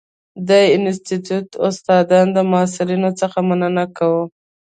د انسټیټوت استادانو او محصلینو څخه مننه کوو.